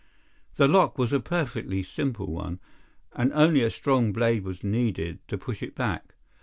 The lock was a perfectly simple one, and only a strong blade was needed to push it back.